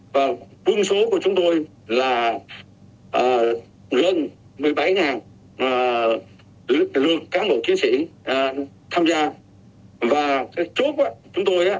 và quân số của chúng tôi là gần một mươi bảy lượng cán bộ chiến sĩ tham gia